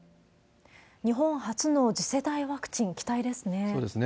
日本初の次世代ワクチン、そうですね。